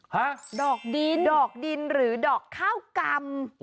ฮะดอกดินหรือดอกข้าวกรรม